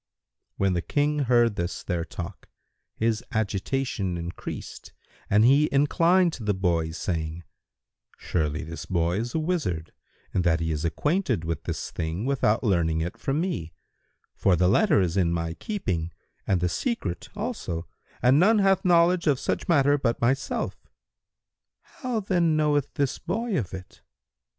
When the King heard this their talk, his agitation increased and he inclined to the boys, saying, "Surely, this boy is a wizard, in that he is acquainted with this thing without learning it from me; for the letter is in my keeping and the secret also and none hath knowledge of such matter but myself. How then knoweth this boy of it?